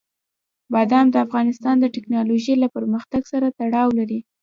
بادام د افغانستان د تکنالوژۍ له پرمختګ سره تړاو لري.